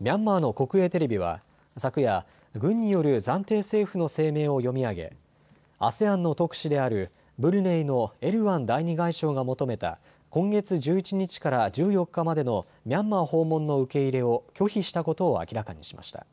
ミャンマーの国営テレビは昨夜、軍による暫定政府の声明を読み上げＡＳＥＡＮの特使であるブルネイのエルワン第２外相が求めた今月１１日から１４日までのミャンマー訪問の受け入れを拒否したことを明らかにしました。